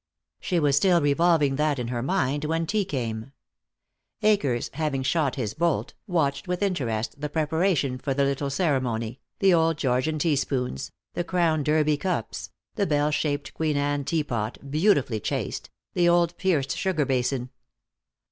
She was still revolving that in her mind when tea came. Akers, having shot his bolt, watched with interest the preparation for the little ceremony, the old Georgian teaspoons, the Crown Derby cups, the bell shaped Queen Anne teapot, beautifully chased, the old pierced sugar basin.